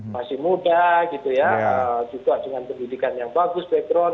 masih muda gitu ya juga dengan pendidikan yang bagus background